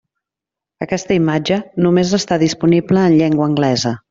Aquesta imatge només està disponible en llengua anglesa.